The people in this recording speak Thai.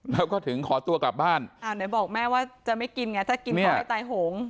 แล้วก็ถึงขอตัวกลับบ้านอ้าวไหนบอกแม่ว่าจะไม่กินไงถ้ากินก็ไม่ตายโหง